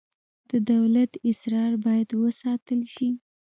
د دولت اسرار باید وساتل شي